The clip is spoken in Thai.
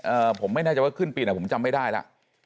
เอ่อผมไม่น่าจะว่าขึ้นปีหน่อยผมจำไม่ได้ล่ะ